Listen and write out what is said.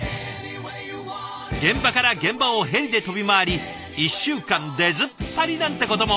現場から現場をヘリで飛び回り１週間出ずっぱりなんてことも。